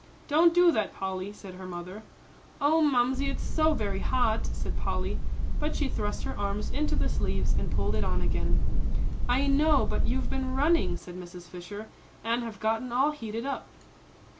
"Don't do that, Polly," said her mother. "Oh, Mamsie, it's so very hot," said Polly; but she thrust her arms into the sleeves and pulled it on again. "I know; but you've been running," said Mrs. Fisher, "and have gotten all heated up."